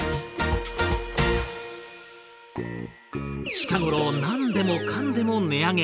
近頃何でもかんでも値上げ。